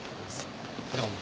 どうも。